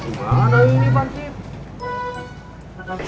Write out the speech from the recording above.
gimana ini pak sih